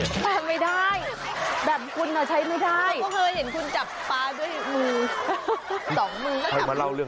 ก็เคยเห็นคุณจับปลาด้วยมือ